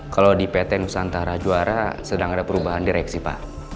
kalau di pt nusantara juara sedang ada perubahan direksi pak